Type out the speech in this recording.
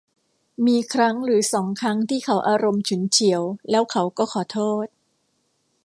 มีครั้งหรือสองครั้งที่เขาอารมณ์ฉุนเฉียว แล้วเขาก็ขอโทษ